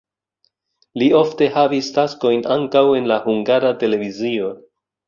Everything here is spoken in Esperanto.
Li ofte havis taskojn ankaŭ en la Hungara Televizio.